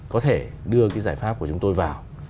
có thể đưa cái giải pháp của chúng tôi vào